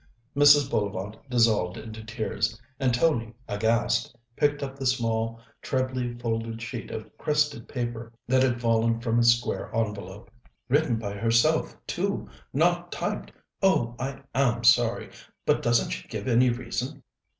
Mrs. Bullivant dissolved into tears, and Tony, aghast, picked up the small trebly folded sheet of crested paper that had fallen from its square envelope. "Written by herself, too, not typed! Oh, I am sorry! But doesn't she give any reason?"